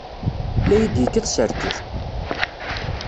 La iyi-d-yekkat s rrkel!